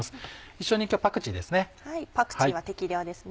一緒に今日はパクチーですね。